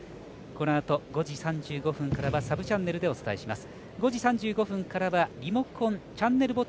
このあと５時３５分からはサブチャンネルでお伝えします。